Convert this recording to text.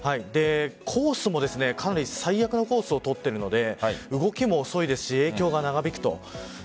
コースもかなり最悪なコースを通っているので動きも遅いですし影響が長引くと。